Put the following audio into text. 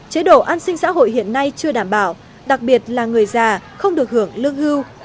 chế độ an sinh xã hội hiện nay chưa đảm bảo đặc biệt là người già không được hưởng lương hưu